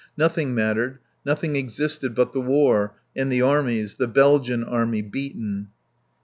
Nothing mattered, nothing existed but the war, and the armies, the Belgian army, beaten.